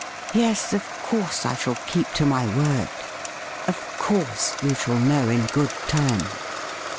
Yes, of course I shall keep to my word. Of course you shall know in good time.'